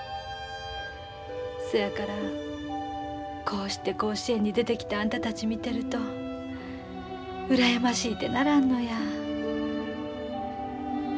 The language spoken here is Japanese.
そやからこうして甲子園に出てきたあんたたち見てると羨ましいてならんのや。